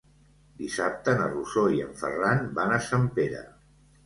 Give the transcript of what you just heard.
Dissabte na Rosó i en Ferran van a Sempere.